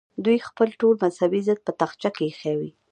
دوی خپل ټول مذهبي ضد په تاخچه کې ایښی وي.